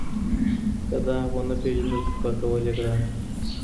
که داغ ونه پېژندل سي پاکول یې ګران دي.